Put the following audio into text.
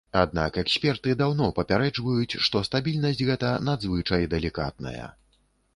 Аднак эксперты даўно папярэджваюць, што стабільнасць гэта надзвычай далікатная.